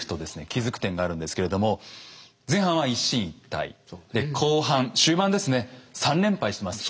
気付く点があるんですけれども前半は一進一退で後半終盤ですね３連敗してます。